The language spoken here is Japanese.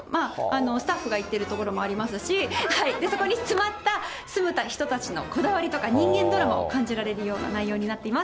スタッフが行ってる所もありますし、そこに住まった、住む人たちのこだわりが感じられるような内容になってます。